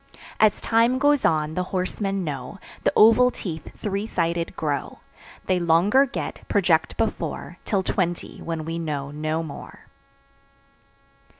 As time goes on, the horsemen know, The oval teeth three sided grow; They longer get, project before, Till twenty, when we know no more.